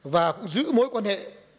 và cũng giữ mối quan hệ